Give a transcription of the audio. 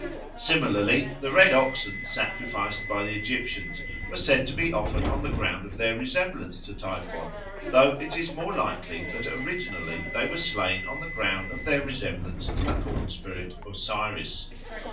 Similarly, the red oxen sacrificed by the Egyptians were said to be offered on the ground of their resemblance to Typhon; though it is more likely that originally they were slain on the ground of their resemblance to the corn spirit Osiris.